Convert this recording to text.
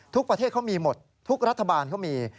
ประเทศเขามีหมดทุกรัฐบาลเขามี